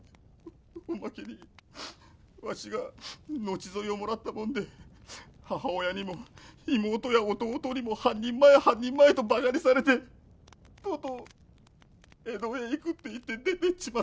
おまけにわしが後添いをもらったもんで母親にも妹や弟にも半人前半人前と馬鹿にされてとうとう江戸へ行くって言って出てっちまったけんど。